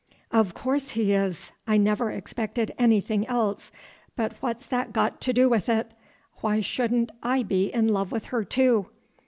"Of course he is. I never expected anything else, but what's that got to do with it? Why shouldn't I be in love with her too?